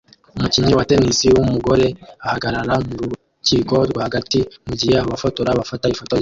Umukinnyi wa tennis wumugore ahagarara murukiko rwagati mugihe abafotora bafata ifoto ye